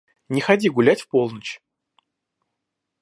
Не ходи гулять в полночь.